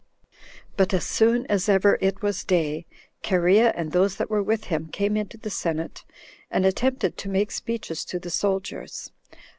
4. But as soon as ever it was day, Cherea, and those that were with him, came into the senate, and attempted to make speeches to the soldiers.